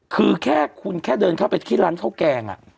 คือแค่คุณแค่เดินเข้าไปที่ร้านข้าวแกง